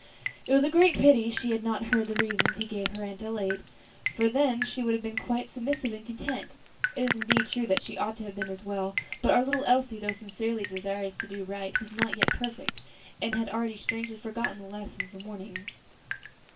It was a great pity she had not heard the reasons he gave her Aunt Adelaide, for then she would have been quite submissive and content. It is indeed true that she ought to have been as it was; but our little Elsie, though sincerely desirous to do right, was not yet perfect, and had already strangely forgotten the lesson of the morning.